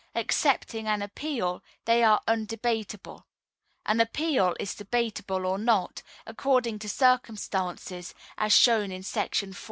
Excepting an Appeal, they are undebatable; an Appeal is debatable or not, according to circumstances, as shown in § 14.